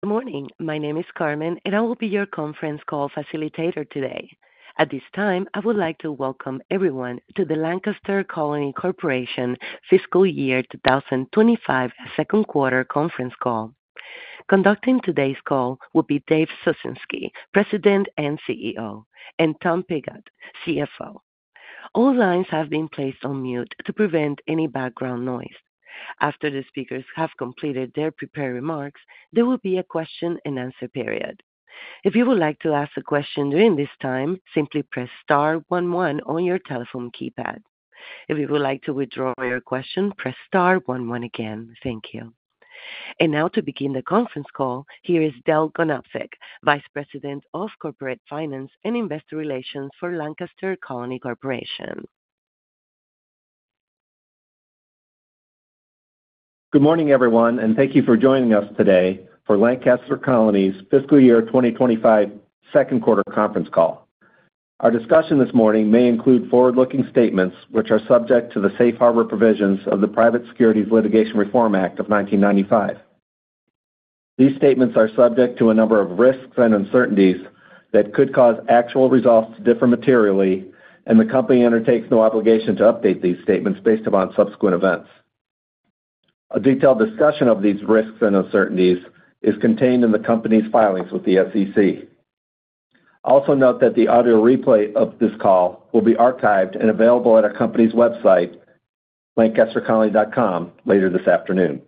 Good morning. My name is Carmen, and I will be your conference call facilitator today. At this time, I would like to welcome everyone to the Lancaster Colony Corporation Fiscal Year 2025 Second Quarter Conference Call. Conducting today's call will be Dave Ciesinski, President and CEO, and Tom Pigott, CFO. All lines have been placed on mute to prevent any background noise. After the speakers have completed their prepared remarks, there will be a question-and-answer period. If you would like to ask a question during this time, Simply press Star 11 on your telephone keypad. If you would like to withdraw your question, press Star 11 again. Thank you. And now, to begin the conference call, here is Dale Ganobsik, Vice President of Corporate Finance and Investor Relations for Lancaster Colony Corporation. Good morning, everyone, and thank you for joining us today for Lancaster Colony's Fiscal Year 2025 Second Quarter Conference Call. Our discussion this morning may include forward-looking statements which are subject to the Safe Harbor Provisions of the Private Securities Litigation Reform Act of 1995. These statements are subject to a number of risks and uncertainties that could cause actual results to differ materially, and the company undertakes no obligation to update these statements based upon subsequent events. A detailed discussion of these risks and uncertainties is contained in the company's filings with the SEC. Also note that the audio replay of this call will be archived and available at our company's website, lancastercolony.com, later this afternoon.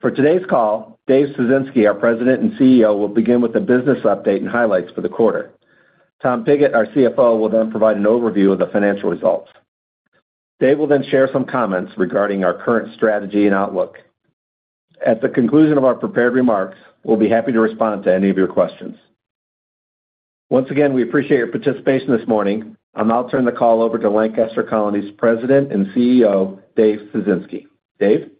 For today's call, Dave Ciesinski, our President and CEO, will begin with a business update and highlights for the quarter. Tom Pigott, our CFO, will then provide an overview of the financial results. Dave will then share some comments regarding our current strategy and outlook. At the conclusion of our prepared remarks, we'll be happy to respond to any of your questions. Once again, we appreciate your participation this morning, and I'll turn the call over to Lancaster Colony's President and CEO, Dave Ciesinski. Dave?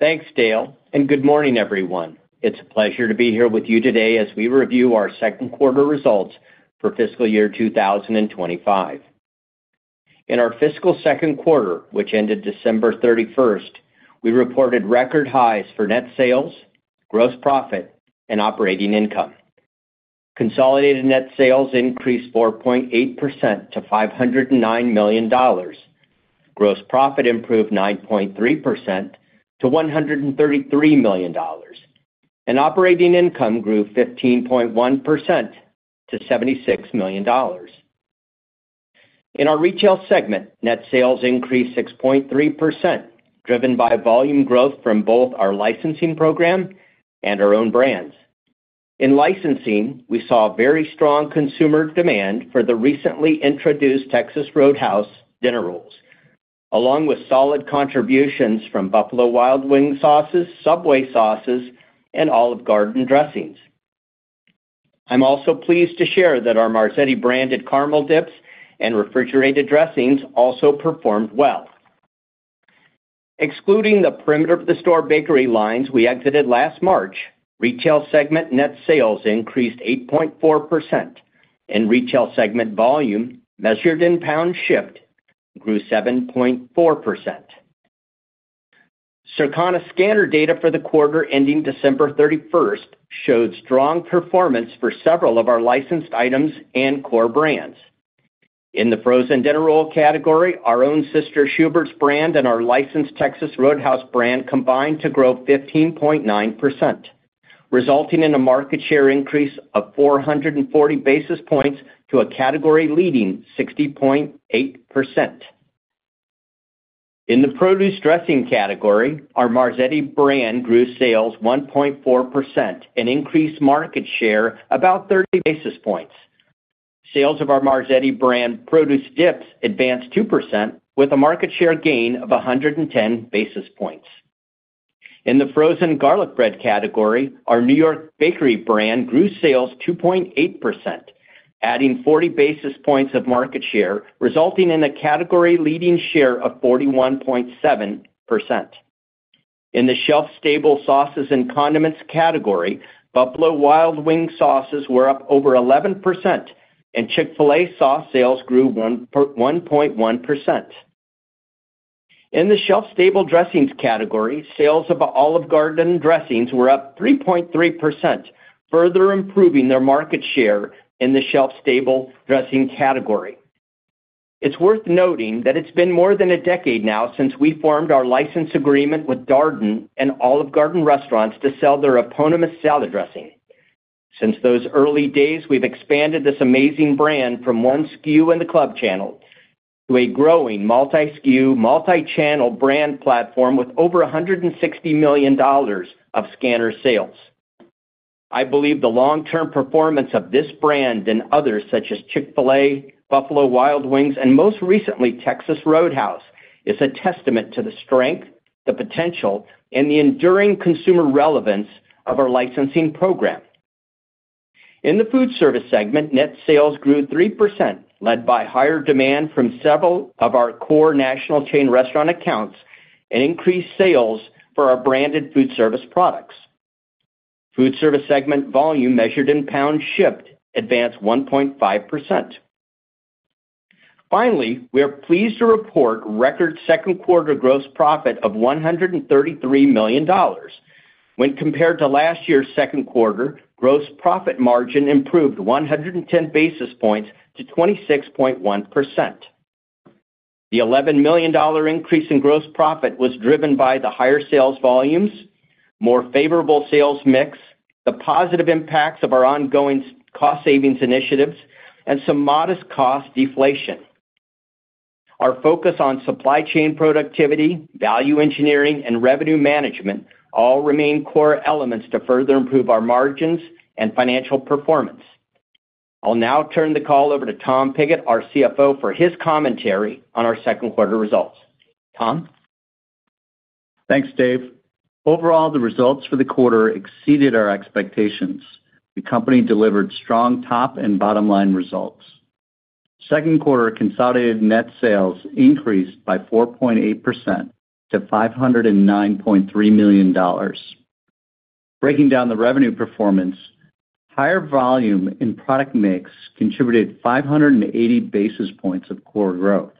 Thanks, Dale, and good morning, everyone. It's a pleasure to be here with you today as we review our second quarter results for Fiscal Year 2025. In our fiscal second quarter, which ended December 31st, we reported record highs for net sales, gross profit, and operating income. Consolidated net sales increased 4.8% to $509 million. Gross profit improved 9.3% to $133 million, and operating income grew 15.1% to $76 million. In our retail segment, net sales increased 6.3%, driven by volume growth from both our licensing program and our own brands. In licensing, we saw very strong consumer demand for the recently introduced Texas Roadhouse Dinner Rolls, along with solid contributions from Buffalo Wild Wings sauces, Subway sauces, and Olive Garden dressings. I'm also pleased to share that our Marzetti branded caramel dips and refrigerated dressings also performed well. Excluding the perimeter-of-the-store bakery lines we exited last March, retail segment net sales increased 8.4%, and retail segment volume, measured in pounds shipped, grew 7.4%. Circana scanner data for the quarter ending December 31st showed strong performance for several of our licensed items and core brands. In the frozen dinner roll category, our own Sister Schubert's brand and our licensed Texas Roadhouse brand combined to grow 15.9%, resulting in a market share increase of 440 basis points to a category-leading 60.8%. In the produce dressing category, our Marzetti brand grew sales 1.4% and increased market share about 30 basis points. Sales of our Marzetti brand produce dips advanced 2%, with a market share gain of 110 basis points. In the frozen garlic bread category, our New York Bakery brand grew sales 2.8%, adding 40 basis points of market share, resulting in a category-leading share of 41.7%. In the shelf-stable sauces and condiments category, Buffalo Wild Wings sauces were up over 11%, and Chick-fil-A sauce sales grew 1.1%. In the shelf-stable dressings category, sales of Olive Garden dressings were up 3.3%, further improving their market share in the shelf-stable dressing category. It's worth noting that it's been more than a decade now since we formed our license agreement with Darden and Olive Garden restaurants to sell their eponymous salad dressing. Since those early days, we've expanded this amazing brand from one SKU in the Club channel to a growing multi-SKU, multi-channel brand platform with over $160 million of scanner sales. I believe the long-term performance of this brand and others such as Chick-fil-A, Buffalo Wild Wings, and most recently Texas Roadhouse is a testament to the strength, the potential, and the enduring consumer relevance of our licensing program. In the food service segment, net sales grew 3%, led by higher demand from several of our core national chain restaurant accounts and increased sales for our branded food service products. Food service segment volume, measured in pounds shipped, advanced 1.5%. Finally, we are pleased to report record second quarter gross profit of $133 million. When compared to last year's second quarter, gross profit margin improved 110 basis points to 26.1%. The $11 million increase in gross profit was driven by the higher sales volumes, more favorable sales mix, the positive impacts of our ongoing cost savings initiatives, and some modest cost deflation. Our focus on supply chain productivity, value engineering, and revenue management all remain core elements to further improve our margins and financial performance. I'll now turn the call over to Tom Pigott, our CFO, for his commentary on our second quarter results. Tom? Thanks, Dave. Overall, the results for the quarter exceeded our expectations. The company delivered strong top and bottom line results. Second quarter consolidated net sales increased by 4.8% to $509.3 million. Breaking down the revenue performance, higher volume in product mix contributed 580 basis points of core growth.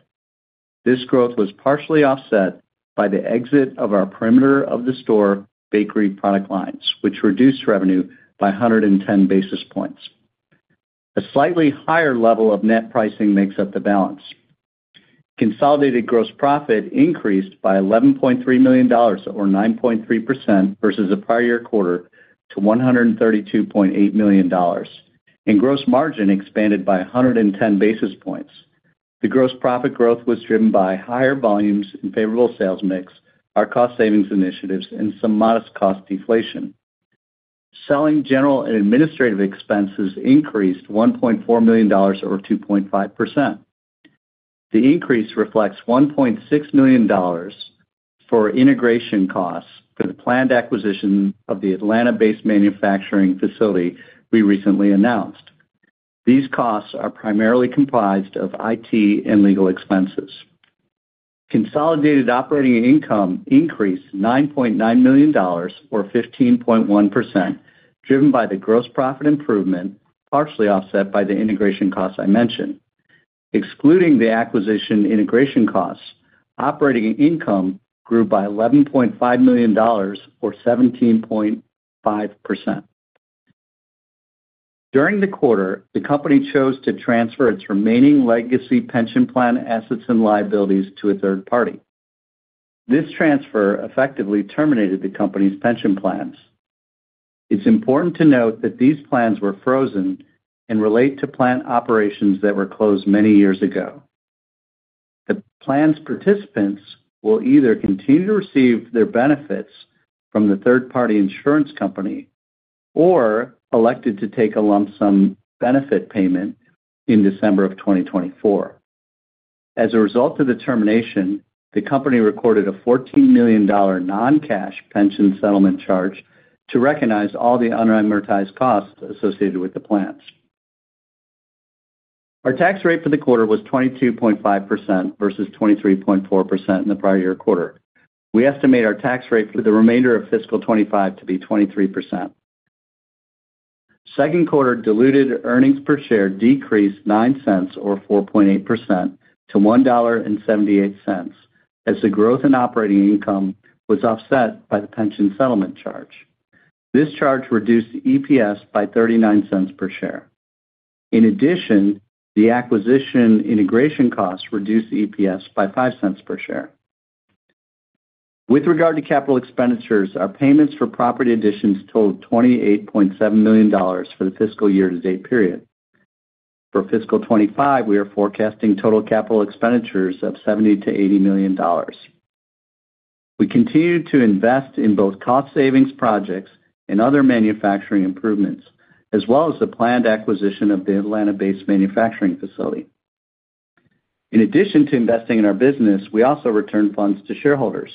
This growth was partially offset by the exit of our perimeter-of-the-store bakery product lines, which reduced revenue by 110 basis points. A slightly higher level of net pricing makes up the balance. Consolidated gross profit increased by $11.3 million, or 9.3% versus the prior year quarter, to $132.8 million, and gross margin expanded by 110 basis points. The gross profit growth was driven by higher volumes and favorable sales mix, our cost savings initiatives, and some modest cost deflation. Selling, general, and administrative expenses increased $1.4 million, or 2.5%. The increase reflects $1.6 million for integration costs for the planned acquisition of the Atlanta-based manufacturing facility we recently announced. These costs are primarily comprised of IT and legal expenses. Consolidated operating income increased $9.9 million, or 15.1%, driven by the gross profit improvement partially offset by the integration costs I mentioned. Excluding the acquisition integration costs, operating income grew by $11.5 million, or 17.5%. During the quarter, the company chose to transfer its remaining legacy pension plan assets and liabilities to a third party. This transfer effectively terminated the company's pension plans. It's important to note that these plans were frozen and relate to plan operations that were closed many years ago. The plan's participants will either continue to receive their benefits from the third-party insurance company or elected to take a lump sum benefit payment in December of 2024. As a result of the termination, the company recorded a $14 million non-cash pension settlement charge to recognize all the unamortized costs associated with the plans. Our tax rate for the quarter was 22.5% versus 23.4% in the prior year quarter. We estimate our tax rate for the remainder of fiscal 2025 to be 23%. Second quarter diluted earnings per share decreased 9 cents, or 4.8%, to $1.78, as the growth in operating income was offset by the pension settlement charge. This charge reduced EPS by 39 cents per share. In addition, the acquisition integration costs reduced EPS by 5 cents per share. With regard to capital expenditures, our payments for property additions totaled $28.7 million for the fiscal year-to-date period. For fiscal 2025, we are forecasting total capital expenditures of $70-$80 million. We continue to invest in both cost savings projects and other manufacturing improvements, as well as the planned acquisition of the Atlanta-based manufacturing facility. In addition to investing in our business, we also return funds to shareholders.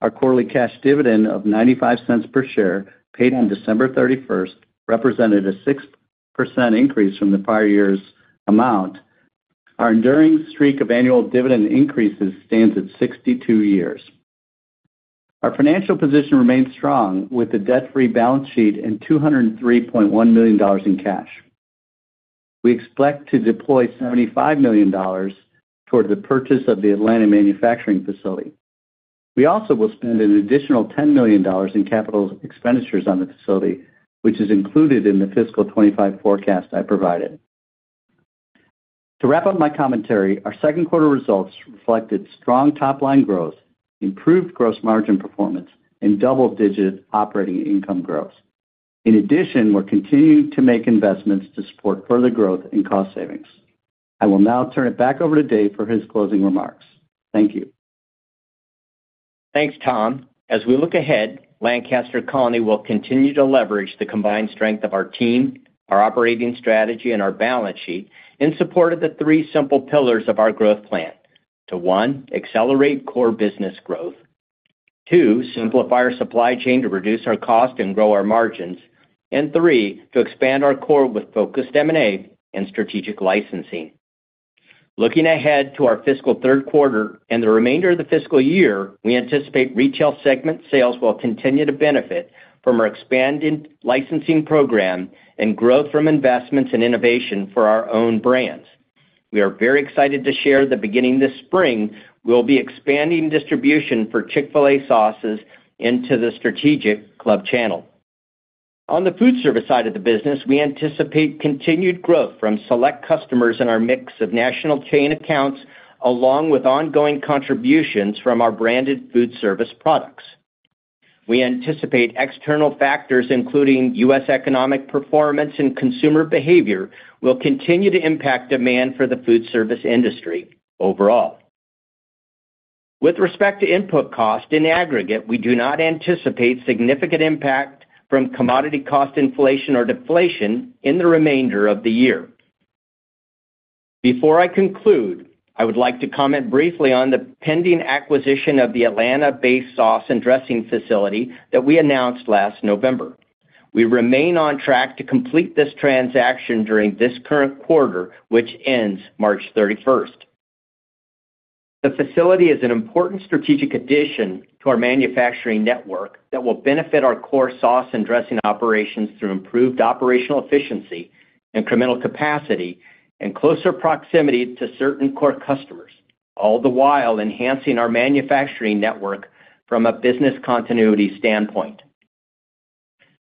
Our quarterly cash dividend of $0.95 per share paid on December 31st represented a 6% increase from the prior year's amount. Our enduring streak of annual dividend increases stands at 62 years. Our financial position remains strong with a debt-free balance sheet and $203.1 million in cash. We expect to deploy $75 million toward the purchase of the Atlanta manufacturing facility. We also will spend an additional $10 million in capital expenditures on the facility, which is included in the fiscal 25 forecast I provided. To wrap up my commentary, our second quarter results reflected strong top-line growth, improved gross margin performance, and double-digit operating income growth. In addition, we're continuing to make investments to support further growth and cost savings. I will now turn it back over to Dave for his closing remarks. Thank you. Thanks, Tom. As we look ahead, Lancaster Colony will continue to leverage the combined strength of our team, our operating strategy, and our balance sheet in support of the three simple pillars of our growth plan: to one, accelerate core business growth, two, simplify our supply chain to reduce our cost and grow our margins, and three, to expand our core with focused M&A and strategic licensing. Looking ahead to our fiscal third quarter and the remainder of the fiscal year, we anticipate retail segment sales will continue to benefit from our expanded licensing program and growth from investments and innovation for our own brands. We are very excited to share that beginning this spring, we'll be expanding distribution for Chick-fil-A sauces into the strategic Club channel. On the food service side of the business, we anticipate continued growth from select customers in our mix of national chain accounts, along with ongoing contributions from our branded food service products. We anticipate external factors, including U.S. economic performance and consumer behavior, will continue to impact demand for the food service industry overall. With respect to input cost in aggregate, we do not anticipate significant impact from commodity cost inflation or deflation in the remainder of the year. Before I conclude, I would like to comment briefly on the pending acquisition of the Atlanta-based sauce and dressing facility that we announced last November. We remain on track to complete this transaction during this current quarter, which ends March 31st. The facility is an important strategic addition to our manufacturing network that will benefit our core sauce and dressing operations through improved operational efficiency and incremental capacity and closer proximity to certain core customers, all the while enhancing our manufacturing network from a business continuity standpoint.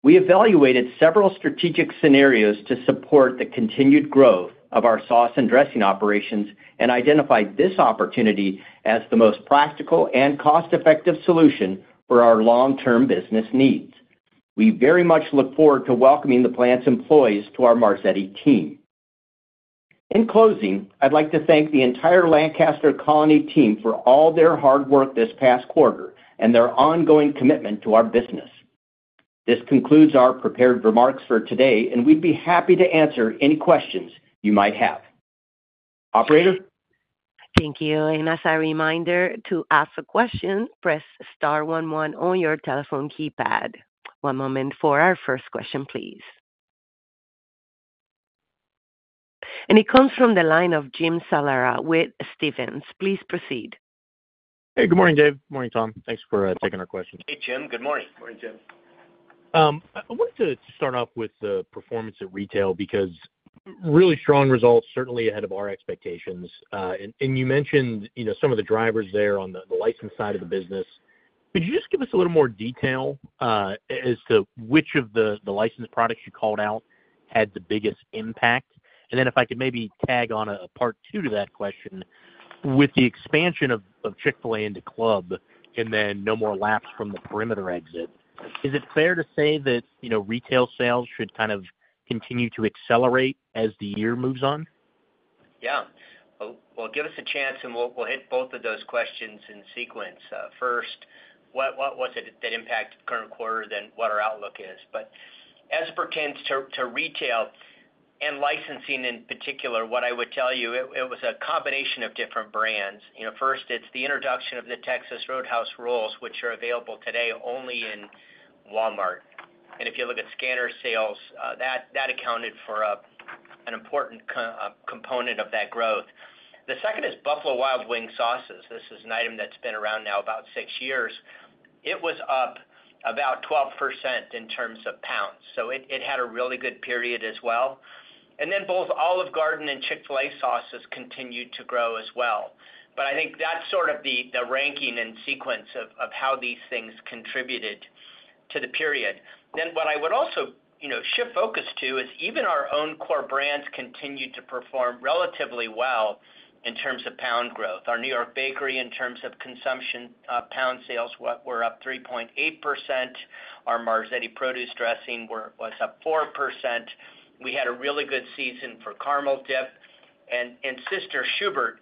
We evaluated several strategic scenarios to support the continued growth of our sauce and dressing operations and identified this opportunity as the most practical and cost-effective solution for our long-term business needs. We very much look forward to welcoming the plant's employees to our Marzetti team. In closing, I'd like to thank the entire Lancaster Colony team for all their hard work this past quarter and their ongoing commitment to our business. This concludes our prepared remarks for today, and we'd be happy to answer any questions you might have. Operator? Thank you. And as a reminder, to ask a question, press star 11 on your telephone keypad. One moment for our first question, please. And it comes from the line of Jim Salera with Stephens. Please proceed. Hey, good morning, Dave. Good morning, Tom. Thanks for taking our questions. Hey, Jim. Good morning. Morning, Jim. I wanted to start off with the performance at retail because really strong results, certainly ahead of our expectations. and you mentioned some of the drivers there on the license side of the business. Could you just give us a little more detail as to which of the license products you called out had the biggest impact? and then if I could maybe tag on a part two to that question, with the expansion of Chick-fil-A into club and then no more lapses from the perimeter exit, is it fair to say that retail sales should kind of continue to accelerate as the year moves on? Yeah. Well, give us a chance, and we'll hit both of those questions in sequence. First, what was it that impacted current quarter, then what our outlook is? But as it pertains to retail and licensing in particular, what I would tell you, it was a combination of different brands. First, it's the introduction of the Texas Roadhouse rolls, which are available today only in Walmart. And if you look at scanner sales, that accounted for an important component of that growth. The second is Buffalo Wild Wings sauces. This is an item that's been around now about six years. It was up about 12% in terms of pounds. So it had a really good period as well. And then both Olive Garden and Chick-fil-A sauces continued to grow as well. But I think that's sort of the ranking and sequence of how these things contributed to the period. Then what I would also shift focus to is even our own core brands continued to perform relatively well in terms of pound growth. Our New York Bakery, in terms of consumption pound sales, were up 3.8%. Our Marzetti produce dressing was up 4%. We had a really good season for Caramel Dip. And Sister Schubert's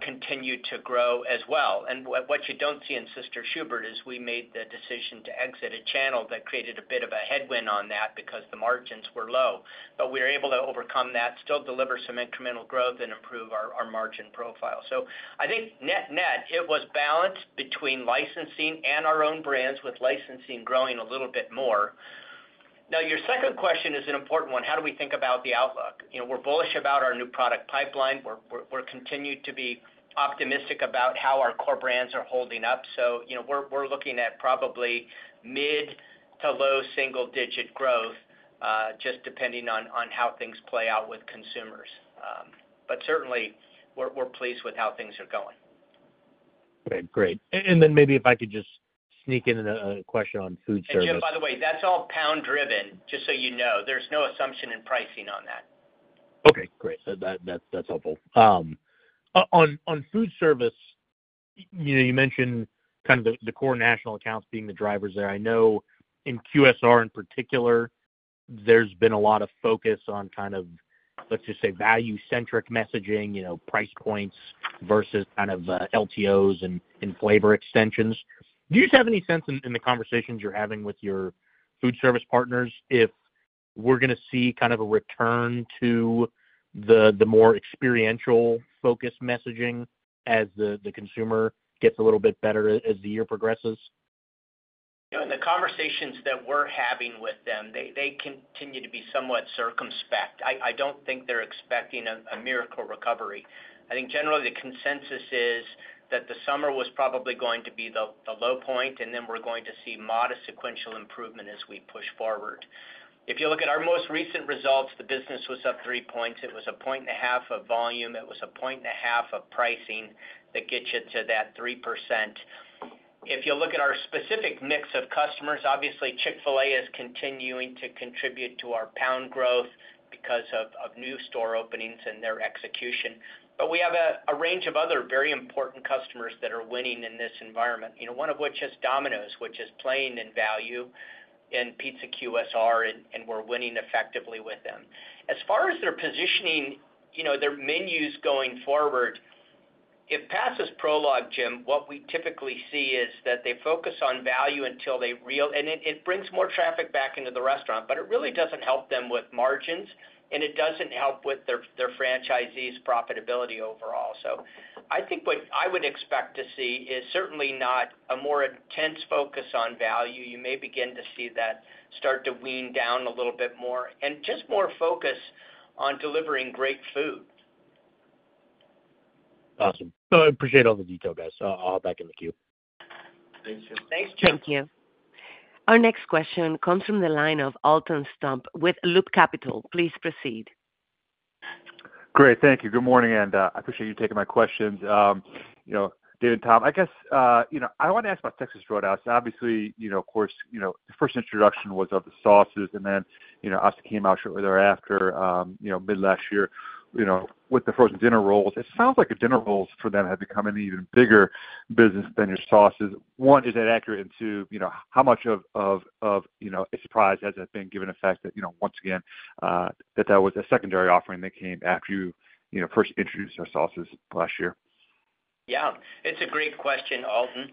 continued to grow as well. And what you don't see in Sister Schubert's is we made the decision to exit a channel that created a bit of a headwind on that because the margins were low. But we were able to overcome that, still deliver some incremental growth, and improve our margin profile. So I think net net, it was balanced between licensing and our own brands, with licensing growing a little bit more. Now, your second question is an important one. How do we think about the outlook? We're bullish about our new product pipeline. We're continuing to be optimistic about how our core brands are holding up. So we're looking at probably mid to low single-digit growth, just depending on how things play out with consumers. But certainly, we're pleased with how things are going. Okay. Great. And then maybe if I could just sneak in a question on food service. And Jim, by the way, that's all pound-driven, just so you know. There's no assumption in pricing on that. Okay. Great. That's helpful. On food service, you mentioned kind of the core national accounts being the drivers there. I know in QSR in particular, there's been a lot of focus on kind of, let's just say, value-centric messaging, price points versus kind of LTOs and flavor extensions. Do you just have any sense in the conversations you're having with your food service partners if we're going to see kind of a return to the more experiential-focused messaging as the consumer gets a little bit better as the year progresses? In the conversations that we're having with them, they continue to be somewhat circumspect. I don't think they're expecting a miracle recovery. I think generally the consensus is that the summer was probably going to be the low point, and then we're going to see modest sequential improvement as we push forward. If you look at our most recent results, the business was up three points. It was a point and a half of volume. It was a point and a half of pricing that gets you to that 3%. If you look at our specific mix of customers, obviously, Chick-fil-A is continuing to contribute to our pound growth because of new store openings and their execution. But we have a range of other very important customers that are winning in this environment, one of which is Domino's, which is playing in value in pizza QSR, and we're winning effectively with them. As far as their positioning, their menus going forward, if past is prologue, Jim, what we typically see is that they focus on value until they really, and it brings more traffic back into the restaurant, but it really doesn't help them with margins, and it doesn't help with their franchisees' profitability overall. So I think what I would expect to see is certainly not a more intense focus on value. You may begin to see that start to wane a little bit more and just more focus on delivering great food. Awesome. So I appreciate all the detail, guys. I'll back in the queue. Thanks, Jim. Thanks, Jim. Thank you. Our next question comes from the line of Alton Stump with Loop Capital Markets. Please proceed. Great. Thank you. Good morning, and I appreciate you taking my questions, Dave and Tom. I guess I wanted to ask about Texas Roadhouse. Obviously, of course, the first introduction was of the sauces, and then obviously came out shortly thereafter, mid last year, with the frozen dinner rolls. It sounds like dinner rolls for them have become an even bigger business than your sauces. One, is that accurate? And two, how much of a surprise has that been given the fact that, once again, that was a secondary offering that came after you first introduced our sauces last year? Yeah. It's a great question, Alton.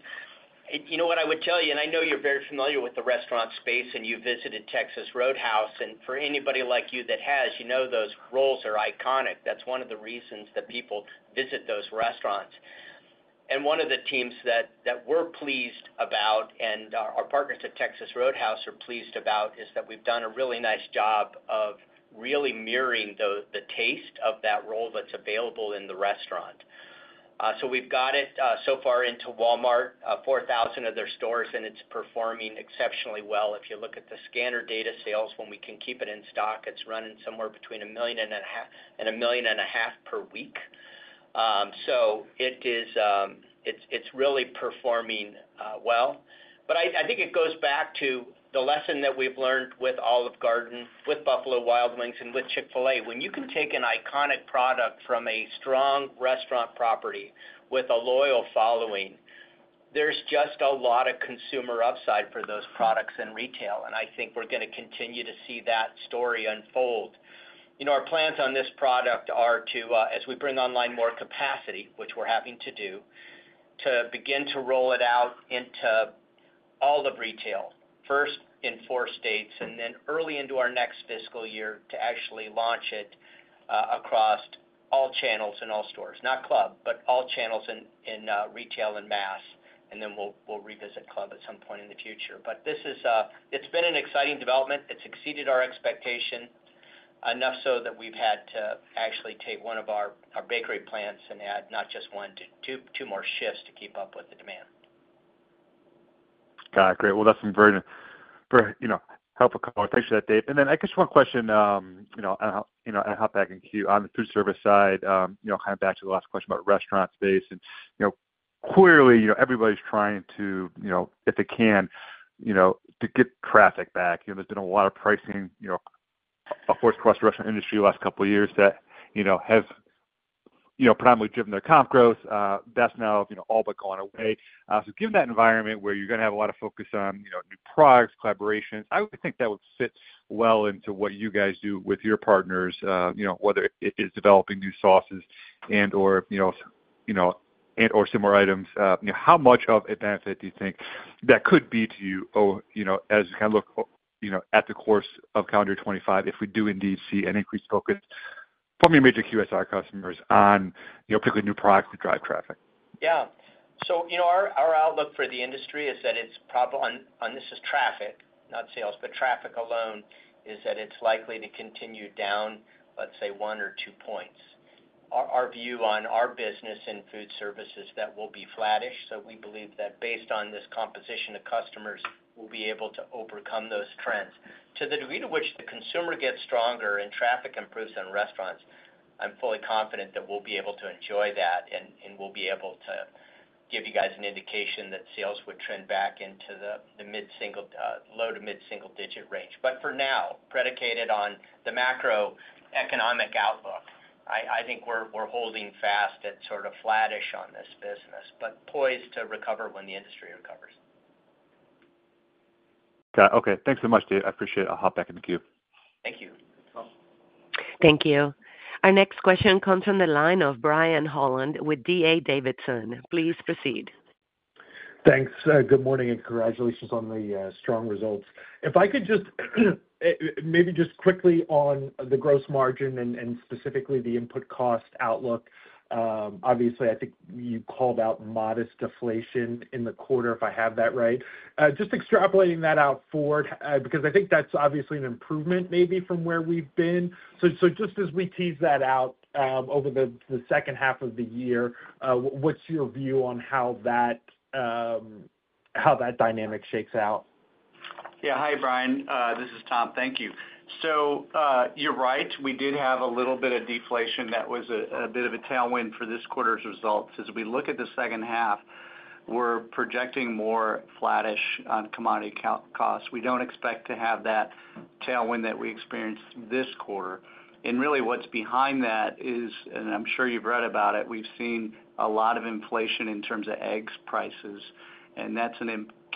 You know what I would tell you, and I know you're very familiar with the restaurant space, and you visited Texas Roadhouse. For anybody like you that has, you know those rolls are iconic. That's one of the reasons that people visit those restaurants. One of the things that we're pleased about, and our partners at Texas Roadhouse are pleased about, is that we've done a really nice job of really mirroring the taste of that roll that's available in the restaurant. So we've got it so far into Walmart, 4,000 of their stores, and it's performing exceptionally well. If you look at the scanner data sales, when we can keep it in stock, it's running somewhere between $1 million and $1.5 million per week. So it's really performing well. But I think it goes back to the lesson that we've learned with Olive Garden, with Buffalo Wild Wings, and with Chick-fil-A. When you can take an iconic product from a strong restaurant property with a loyal following, there's just a lot of consumer upside for those products in retail. And I think we're going to continue to see that story unfold. Our plans on this product are to, as we bring online more capacity, which we're having to do, to begin to roll it out into all of retail, first in four states, and then early into our next fiscal year to actually launch it across all channels and all stores. Not Club, but all channels in retail and mass. And then we'll revisit Club at some point in the future. But it's been an exciting development. It's exceeded our expectation enough so that we've had to actually take one of our bakery plants and add not just one, two more shifts to keep up with the demand. Got it. Great. Well, that's some very helpful comments. Thanks for that, Dave. And then I guess one question, and I'll back in queue. On the food service side, kind of back to the last question about restaurant space. And clearly, everybody's trying to, if they can, to get traffic back. There's been a lot of pricing across the restaurant industry the last couple of years that has predominantly driven their comp growth. That's now all but gone away. So given that environment where you're going to have a lot of focus on new products, collaborations, I would think that would fit well into what you guys do with your partners, whether it is developing new sauces and/or similar items. How much of a benefit do you think that could be to you as we kind of look at the course of calendar 2025 if we do indeed see an increased focus from your major QSR customers on particularly new products that drive traffic? Yeah. So our outlook for the industry is that it's probably, and this is traffic, not sales, but traffic alone is that it's likely to continue down, let's say, one or two points. Our view on our business in food service is that we'll be flattish. So we believe that based on this composition of customers, we'll be able to overcome those trends. To the degree to which the consumer gets stronger and traffic improves in restaurants, I'm fully confident that we'll be able to enjoy that, and we'll be able to give you guys an indication that sales would trend back into the mid-single, low to mid-single-digit range. But for now, predicated on the macroeconomic outlook, I think we're holding fast at sort of flattish on this business, but poised to recover when the industry recovers. Got it. Okay. Thanks so much, Dave. I appreciate it. I'll hop back in the queue. Thank you. Thank you. Our next question comes from the line of Brian Holland with D.A. Davidson. Please proceed. Thanks. Good morning and congratulations on the strong results. If I could just maybe just quickly on the gross margin and specifically the input cost outlook, obviously, I think you called out modest deflation in the quarter, if I have that right. Just extrapolating that out forward, because I think that's obviously an improvement maybe from where we've been. So just as we tease that out over the second half of the year, what's your view on how that dynamic shakes out? Yeah. Hi, Brian. This is Tom. Thank you. So you're right. We did have a little bit of deflation that was a bit of a tailwind for this quarter's results. As we look at the second half, we're projecting more flattish on commodity costs. We don't expect to have that tailwind that we experienced this quarter. And really what's behind that is, and I'm sure you've read about it, we've seen a lot of inflation in terms of eggs prices, and that's a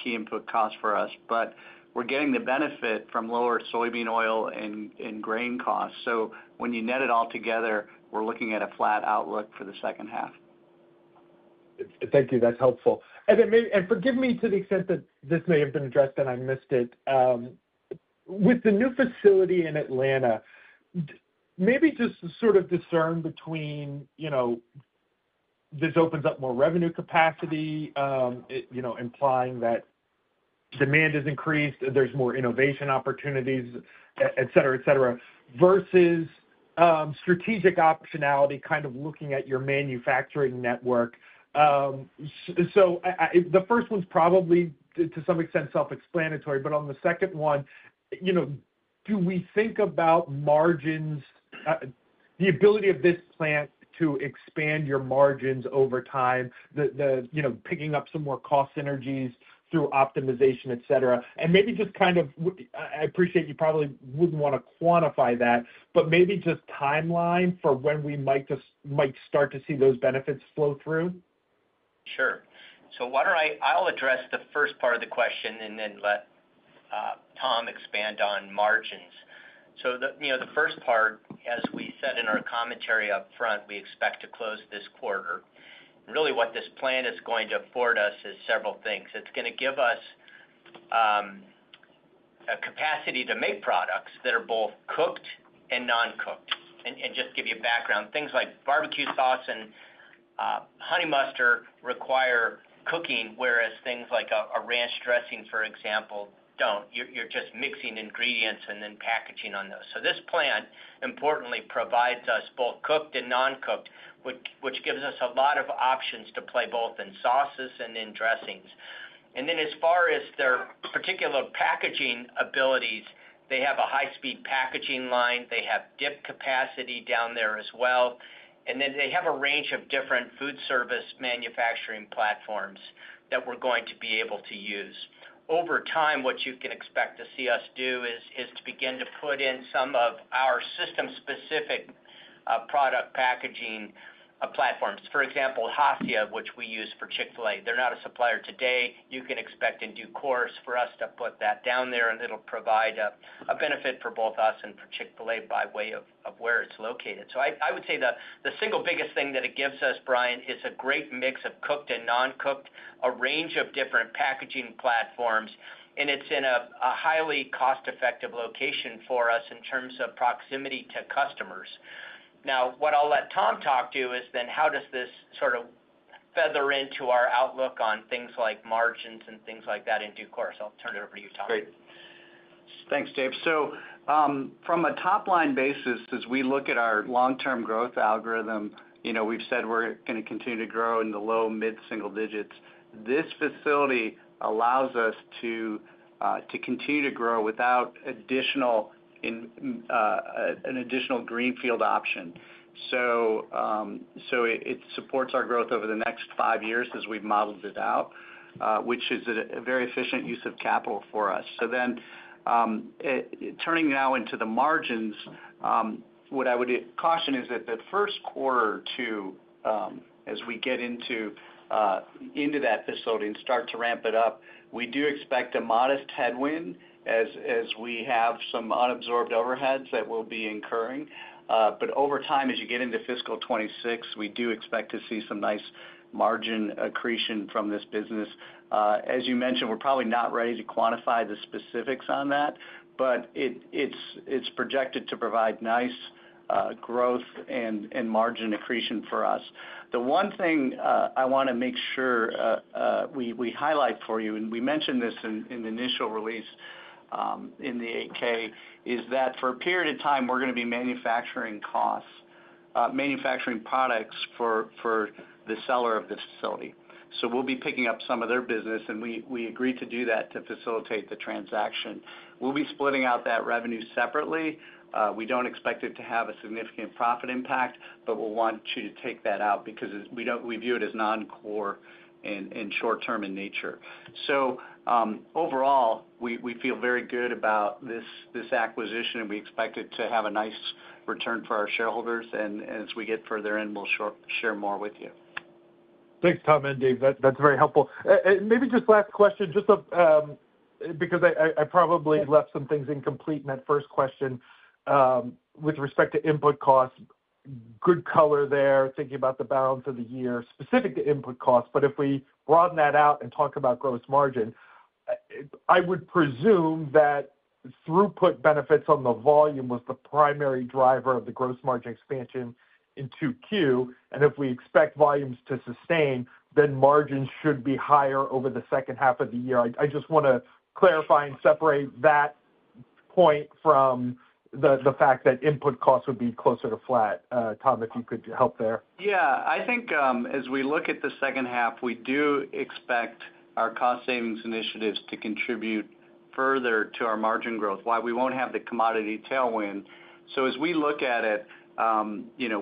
key input cost for us. But we're getting the benefit from lower soybean oil and grain costs. So when you net it all together, we're looking at a flat outlook for the second half. Thank you. That's helpful, and forgive me to the extent that this may have been addressed and I missed it. With the new facility in Atlanta, maybe just sort of discern between this opens up more revenue capacity, implying that demand has increased, there's more innovation opportunities, etc., etc., versus strategic optionality, kind of looking at your manufacturing network, so the first one's probably to some extent self-explanatory, but on the second one, do we think about margins, the ability of this plant to expand your margins over time, picking up some more cost synergies through optimization, etc.? And maybe just kind of, I appreciate you probably wouldn't want to quantify that, but maybe just timeline for when we might start to see those benefits flow through? Sure. So I'll address the first part of the question and then let Tom expand on margins. So the first part, as we said in our commentary upfront, we expect to close this quarter. Really, what this plan is going to afford us is several things. It's going to give us a capacity to make products that are both cooked and non-cooked. And just to give you background, things like barbecue sauce and honey mustard require cooking, whereas things like a ranch dressing, for example, don't. You're just mixing ingredients and then packaging on those. So this plant, importantly, provides us both cooked and non-cooked, which gives us a lot of options to play both in sauces and in dressings. And then as far as their particular packaging abilities, they have a high-speed packaging line. They have dip capacity down there as well. Then they have a range of different food service manufacturing platforms that we're going to be able to use. Over time, what you can expect to see us do is to begin to put in some of our system-specific product packaging platforms. For example, Hassia, which we use for Chick-fil-A, they're not a supplier today. You can expect in due course for us to put that down there, and it'll provide a benefit for both us and for Chick-fil-A by way of where it's located. I would say the single biggest thing that it gives us, Brian, is a great mix of cooked and non-cooked, a range of different packaging platforms, and it's in a highly cost-effective location for us in terms of proximity to customers. Now, what I'll let Tom talk to is then how does this sort of factor into our outlook on things like margins and things like that in due course. I'll turn it over to you, Tom. Great. Thanks, Dave. So from a top-line basis, as we look at our long-term growth algorithm, we've said we're going to continue to grow in the low, mid-single digits. This facility allows us to continue to grow without an additional greenfield option. So it supports our growth over the next five years as we've modeled it out, which is a very efficient use of capital for us. So then turning now into the margins, what I would caution is that the first quarter or two as we get into that facility and start to ramp it up, we do expect a modest headwind as we have some unabsorbed overheads that will be incurring. But over time, as you get into fiscal 2026, we do expect to see some nice margin accretion from this business. As you mentioned, we're probably not ready to quantify the specifics on that, but it's projected to provide nice growth and margin accretion for us. The one thing I want to make sure we highlight for you, and we mentioned this in the initial release in the 8-K, is that for a period of time, we're going to be manufacturing products for the seller of the facility. So we'll be picking up some of their business, and we agreed to do that to facilitate the transaction. We'll be splitting out that revenue separately. We don't expect it to have a significant profit impact, but we'll want you to take that out because we view it as non-core and short-term in nature. So overall, we feel very good about this acquisition, and we expect it to have a nice return for our shareholders. As we get further in, we'll share more with you. Thanks, Tom and Dave. That's very helpful. And maybe just last question, just because I probably left some things incomplete in that first question with respect to input costs, good color there, thinking about the balance of the year, specific to input costs. But if we broaden that out and talk about gross margin, I would presume that throughput benefits on the volume was the primary driver of the gross margin expansion in Q2. And if we expect volumes to sustain, then margins should be higher over the second half of the year. I just want to clarify and separate that point from the fact that input costs would be closer to flat. Tom, if you could help there. Yeah. I think as we look at the second half, we do expect our cost savings initiatives to contribute further to our margin growth, why we won't have the commodity tailwind. So as we look at it,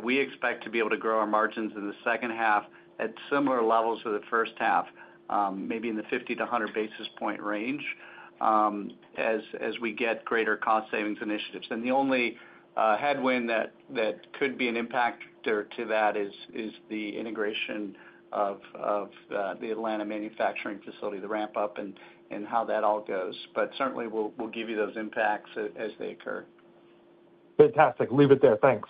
we expect to be able to grow our margins in the second half at similar levels to the first half, maybe in the 50-100 basis points range as we get greater cost savings initiatives. The only headwind that could be an impactor to that is the integration of the Atlanta manufacturing facility, the ramp-up, and how that all goes. Certainly, we'll give you those impacts as they occur. Fantastic. Leave it there. Thanks.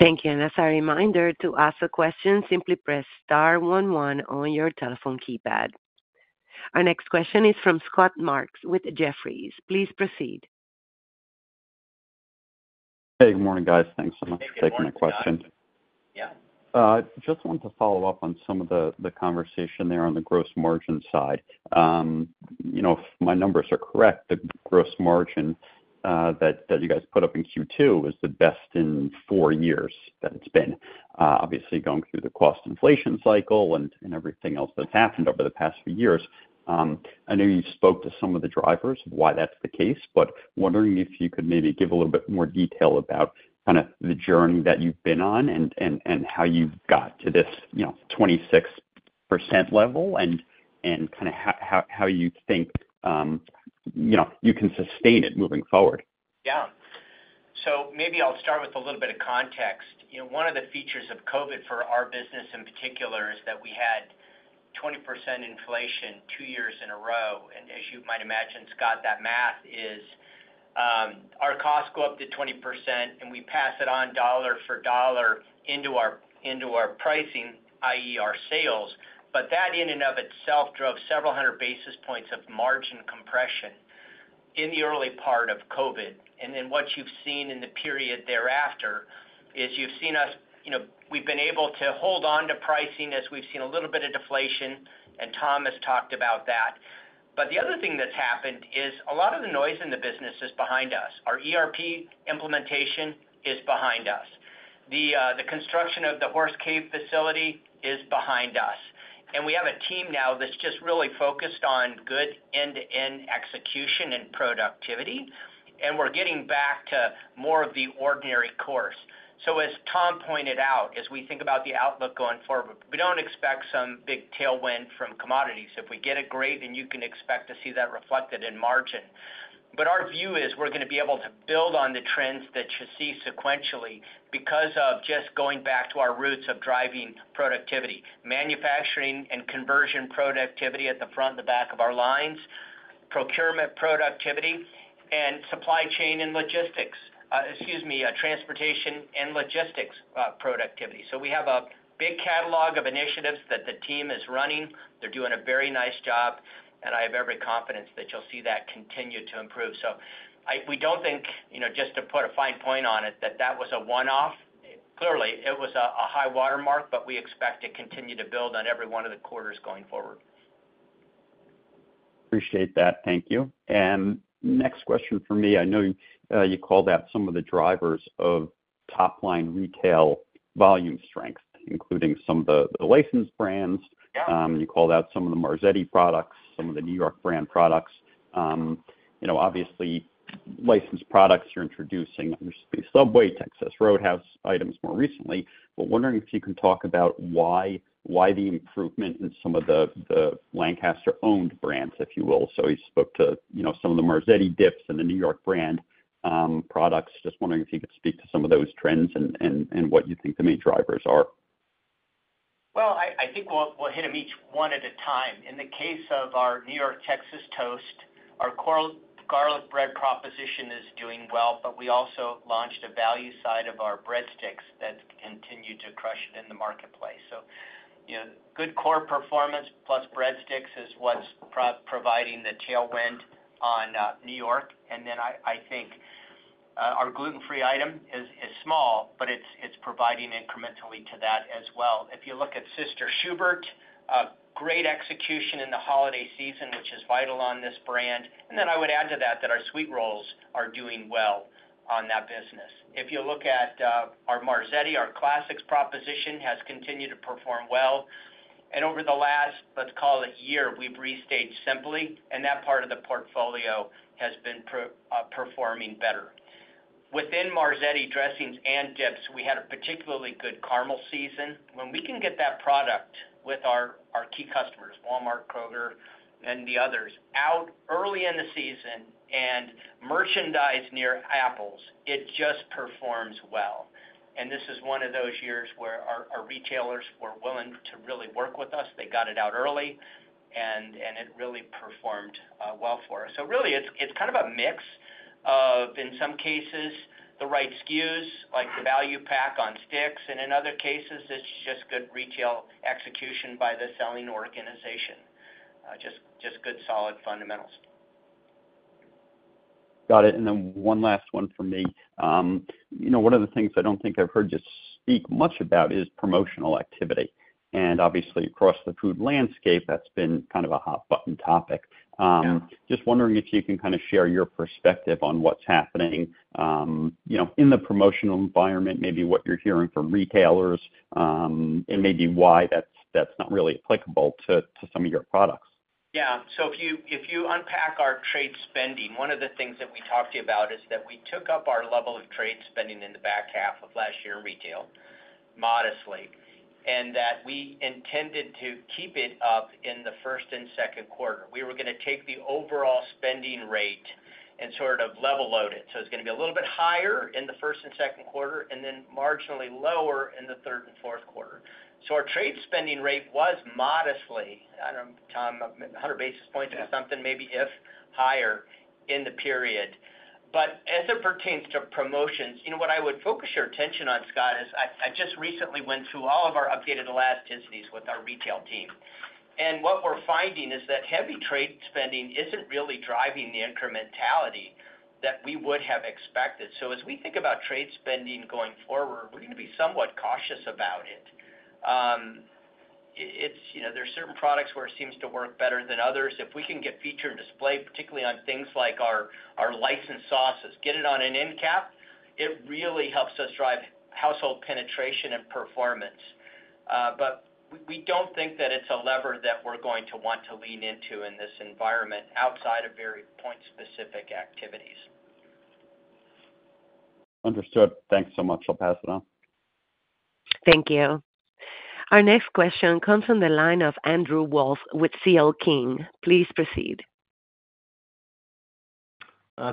Thank you. As a reminder to ask a question, simply press star 11 on your telephone keypad. Our next question is from Scott Marks with Jefferies. Please proceed. Hey, good morning, guys. Thanks so much for taking my question. Yeah. Just wanted to follow up on some of the conversation there on the gross margin side. If my numbers are correct, the gross margin that you guys put up in Q2 was the best in four years that it's been, obviously going through the cost inflation cycle and everything else that's happened over the past few years. I know you spoke to some of the drivers of why that's the case, but wondering if you could maybe give a little bit more detail about kind of the journey that you've been on and how you've got to this 26% level and kind of how you think you can sustain it moving forward. Yeah. So maybe I'll start with a little bit of context. One of the features of COVID for our business in particular is that we had 20% inflation two years in a row. And as you might imagine, Scott, that math is our costs go up to 20%, and we pass it on dollar for dollar into our pricing, i.e., our sales. But that in and of itself drove several hundred basis points of margin compression in the early part of COVID. And then what you've seen in the period thereafter is you've seen us. We've been able to hold on to pricing as we've seen a little bit of deflation, and Tom has talked about that. But the other thing that's happened is a lot of the noise in the business is behind us. Our ERP implementation is behind us. The construction of the Horse Cave facility is behind us, and we have a team now that's just really focused on good end-to-end execution and productivity, and we're getting back to more of the ordinary course, so as Tom pointed out, as we think about the outlook going forward, we don't expect some big tailwind from commodities. If we get a break, then you can expect to see that reflected in margin. But our view is we're going to be able to build on the trends that you see sequentially because of just going back to our roots of driving productivity, manufacturing and conversion productivity at the front and the back of our lines, procurement productivity, and supply chain and logistics, excuse me, transportation and logistics productivity, so we have a big catalog of initiatives that the team is running. They're doing a very nice job, and I have every confidence that you'll see that continue to improve. So we don't think, just to put a fine point on it, that that was a one-off. Clearly, it was a high watermark, but we expect to continue to build on every one of the quarters going forward. Appreciate that. Thank you. And next question for me, I know you called out some of the drivers of top-line retail volume strength, including some of the licensed brands. You called out some of the Marzetti products, some of the New York Bakery products. Obviously, licensed products you're introducing, there's the Subway, Texas Roadhouse items more recently. But wondering if you can talk about why the improvement in some of the Lancaster-owned brands, if you will. So you spoke to some of the Marzetti dips and the New York Bakery products. Just wondering if you could speak to some of those trends and what you think the main drivers are. I think we'll hit them each one at a time. In the case of our New York Bakery Texas toast, our garlic bread proposition is doing well, but we also launched a value side of our breadsticks that's continued to crush it in the marketplace. Good core performance plus breadsticks is what's providing the tailwind on New York Bakery. I think our gluten-free item is small, but it's providing incrementally to that as well. If you look at Sister Schubert's, great execution in the holiday season, which is vital on this brand. I would add to that that our sweet rolls are doing well on that business. If you look at our Marzetti, our Classics proposition has continued to perform well. Over the last, let's call it a year, we've re-staged simply, and that part of the portfolio has been performing better. Within Marzetti dressings and dips, we had a particularly good caramel season. When we can get that product with our key customers, Walmart, Kroger, and the others, out early in the season and merchandise near apples, it just performs well. And this is one of those years where our retailers were willing to really work with us. They got it out early, and it really performed well for us. So really, it's kind of a mix of, in some cases, the right SKUs, like the value pack on sticks, and in other cases, it's just good retail execution by the selling organization, just good solid fundamentals. Got it. And then one last one for me. One of the things I don't think I've heard you speak much about is promotional activity. And obviously, across the food landscape, that's been kind of a hot-button topic. Just wondering if you can kind of share your perspective on what's happening in the promotional environment, maybe what you're hearing from retailers, and maybe why that's not really applicable to some of your products. Yeah. So if you unpack our trade spending, one of the things that we talked to you about is that we took up our level of trade spending in the back half of last year in retail modestly, and that we intended to keep it up in the first and second quarter. We were going to take the overall spending rate and sort of level load it. So it's going to be a little bit higher in the first and second quarter and then marginally lower in the third and fourth quarter. So our trade spending rate was modestly, I don't know, Tom, 100 basis points or something, maybe a bit higher in the period. But as it pertains to promotions, what I would focus your attention on, Scott, is I just recently went through all of our updated elasticities with our retail team. And what we're finding is that heavy trade spending isn't really driving the incrementality that we would have expected. So as we think about trade spending going forward, we're going to be somewhat cautious about it. There are certain products where it seems to work better than others. If we can get feature and display, particularly on things like our licensed sauces, get it on an end cap, it really helps us drive household penetration and performance. But we don't think that it's a lever that we're going to want to lean into in this environment outside of very point-specific activities. Understood. Thanks so much. I'll pass it on. Thank you. Our next question comes from the line of Andrew Wolf with CL King. Please proceed.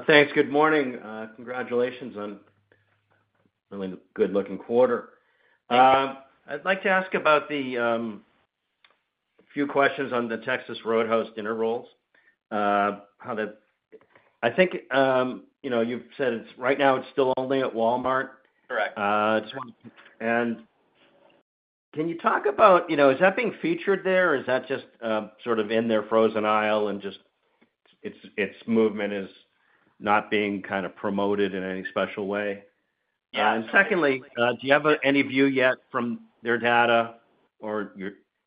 Thanks. Good morning. Congratulations on a really good-looking quarter. I'd like to ask about a few questions on the Texas Roadhouse Dinner Rolls. I think you've said right now it's still only at Walmart. And can you talk about is that being featured there, or is that just sort of in their frozen aisle and just its movement is not being kind of promoted in any special way? And secondly, do you have any view yet from their data or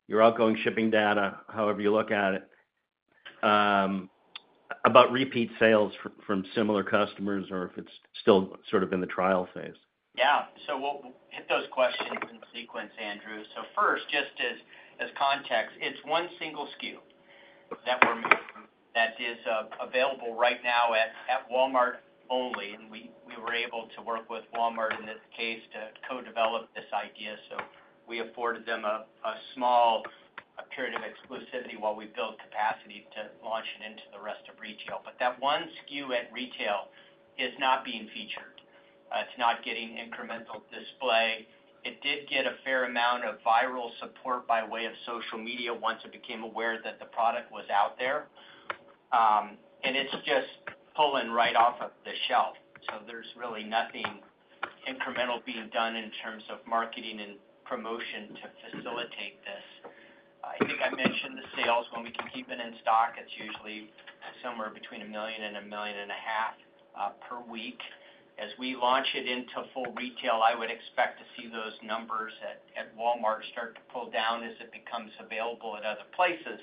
your outgoing shipping data, however you look at it, about repeat sales from similar customers or if it's still sort of in the trial phase? Yeah. So we'll hit those questions in sequence, Andrew. So first, just as context, it's one single SKU that is available right now at Walmart only. And we were able to work with Walmart in this case to co-develop this idea. So we afforded them a small period of exclusivity while we built capacity to launch it into the rest of retail. But that one SKU at retail is not being featured. It's not getting incremental display. It did get a fair amount of viral support by way of social media once it became aware that the product was out there. And it's just pulling right off of the shelf. So there's really nothing incremental being done in terms of marketing and promotion to facilitate this. I think I mentioned the sales. When we can keep it in stock, it's usually somewhere between $1 million and $1.5 million per week. As we launch it into full retail, I would expect to see those numbers at Walmart start to pull down as it becomes available at other places.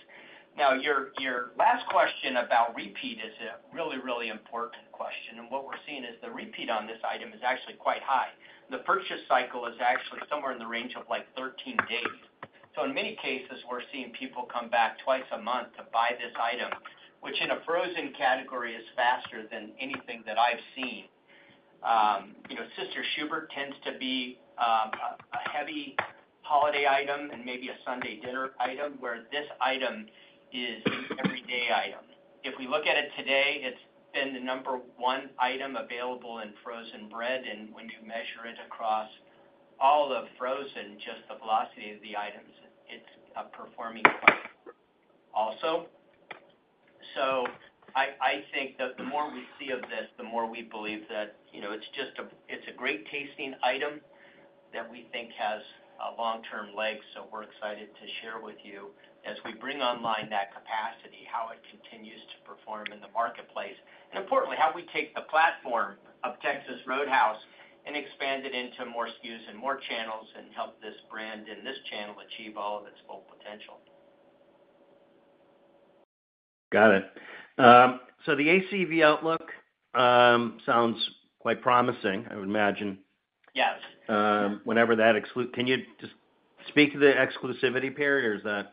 Now, your last question about repeat is a really, really important question, and what we're seeing is the repeat on this item is actually quite high. The purchase cycle is actually somewhere in the range of like 13 days, so in many cases, we're seeing people come back twice a month to buy this item, which in a frozen category is faster than anything that I've seen. Sister Schubert's tends to be a heavy holiday item and maybe a Sunday dinner item where this item is an everyday item. If we look at it today, it's been the number one item available in frozen bread, and when you measure it across all of frozen, just the velocity of the items, it's performing quite well also. So I think that the more we see of this, the more we believe that it's a great tasting item that we think has a long-term leg. So we're excited to share with you as we bring online that capacity, how it continues to perform in the marketplace, and importantly, how we take the platform of Texas Roadhouse and expand it into more SKUs and more channels and help this brand and this channel achieve all of its full potential. Got it. So the ACV outlook sounds quite promising, I would imagine. Whenever that excludes - can you just speak to the exclusivity period, or is that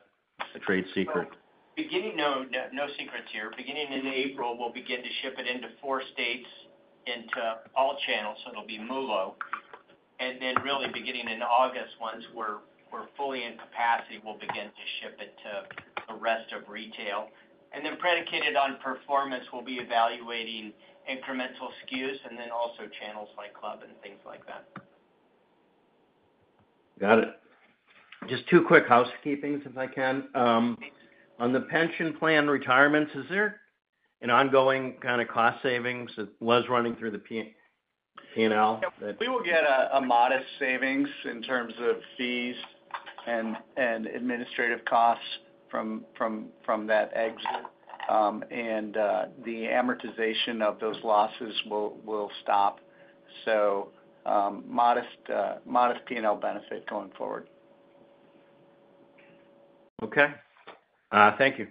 a trade secret? No secrets here. Beginning in April, we'll begin to ship it into four states into all channels. So it'll be MULO. And then really beginning in August, once we're fully in capacity, we'll begin to ship it to the rest of retail. And then predicated on performance, we'll be evaluating incremental SKUs and then also channels like club and things like that. Got it. Just two quick housekeepings, if I can. On the pension plan retirements, is there an ongoing kind of cost savings that was running through the P&L? We will get a modest savings in terms of fees and administrative costs from that exit. And the amortization of those losses will stop. So modest P&L benefit going forward. Okay. Thank you.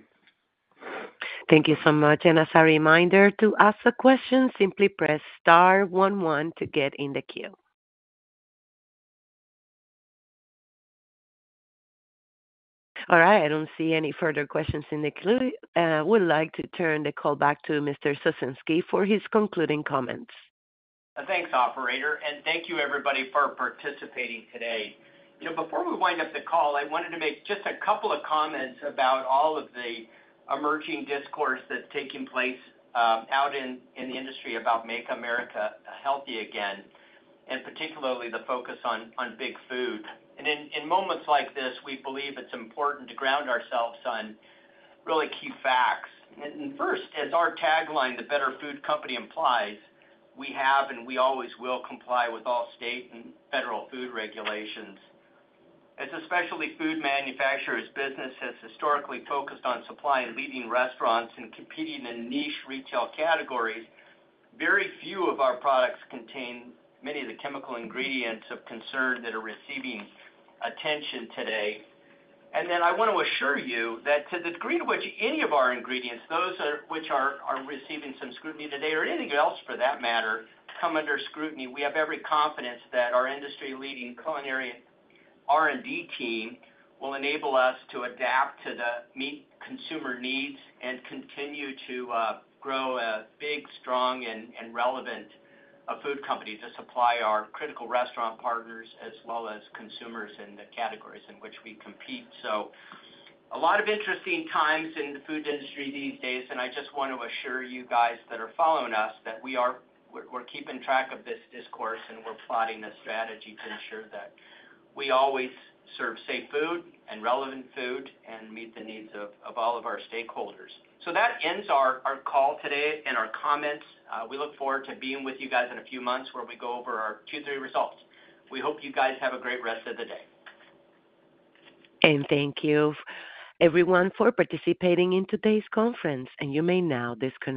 Thank you so much, and as a reminder to ask a question, simply press star 11 to get in the queue. All right. I don't see any further questions in the queue. I would like to turn the call back to Mr. Ciesinski for his concluding comments. Thanks, operator. And thank you, everybody, for participating today. Before we wind up the call, I wanted to make just a couple of comments about all of the emerging discourse that's taking place out in the industry about Make America Healthy Again, and particularly the focus on Big Food. And in moments like this, we believe it's important to ground ourselves on really key facts. And first, as our tagline, The Better Food Company implies, we have and we always will comply with all state and federal food regulations. As a specialty food manufacturer's business has historically focused on supplying leading restaurants and competing in niche retail categories, very few of our products contain many of the chemical ingredients of concern that are receiving attention today. And then, I want to assure you that, to the degree to which any of our ingredients, those which are receiving some scrutiny today or anything else for that matter, come under scrutiny, we have every confidence that our industry-leading culinary R&D team will enable us to adapt to meet consumer needs and continue to grow a big, strong, and relevant food company to supply our critical restaurant partners as well as consumers in the categories in which we compete. So, a lot of interesting times in the food industry these days. And I just want to assure you guys that are following us that we're keeping track of this discourse and we're plotting a strategy to ensure that we always serve safe food and relevant food and meet the needs of all of our stakeholders. So that ends our call today and our comments. We look forward to being with you guys in a few months where we go over our Q3 results. We hope you guys have a great rest of the day. Thank you, everyone, for participating in today's conference. You may now disconnect.